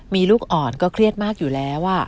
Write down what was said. มีลูกอ่อนก็เครียดมากอยู่แล้ว